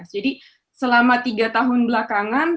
jadi selama tiga tahun belakangan